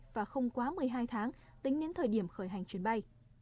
và không quá một mươi hai tháng tính đến thời điểm khởi hành chuyến bay